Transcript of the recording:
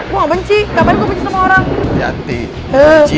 gue gak benci